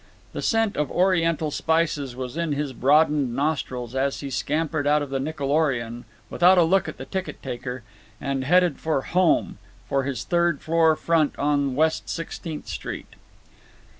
The scent of Oriental spices was in his broadened nostrils as he scampered out of the Nickelorion, without a look at the ticket taker, and headed for "home"—for his third floor front on West Sixteenth Street.